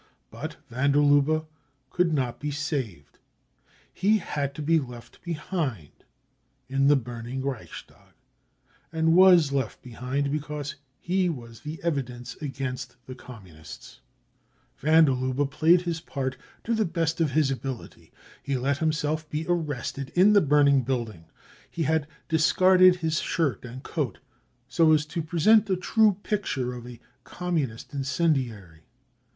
But van der Lubhe could not be "saved" He had to be left behind in the burning Reichstag, and was left behind, because he was the evidence against the Communists . Van der Lubbe played his part to the best of his ability. He let himself be arrested in the burning building. He had discarded his shirt and coat so as to present a <c true picture 35 of a " Communist incendiary."